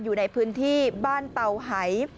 อยู่ในพื้นที่บ้านเตาหาย